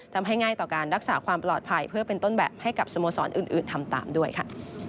ง่ายต่อการรักษาความปลอดภัยเพื่อเป็นต้นแบบให้กับสโมสรอื่นทำตามด้วยค่ะ